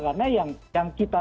karena yang kita